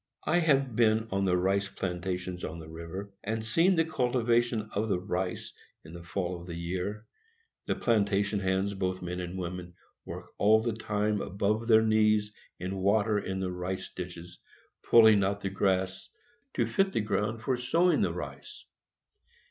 I have been on the rice plantations on the river, and seen the cultivation of the rice. In the fall of the year, the plantation hands, both men and women, work all the time above their knees in water in the rice ditches, pulling out the grass, to fit the ground for sowing the rice.